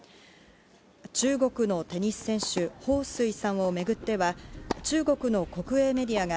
中国のテニス選手ホウ・スイさんをめぐっては、中国の国営メディアが、